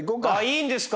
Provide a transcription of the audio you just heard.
いいんですか？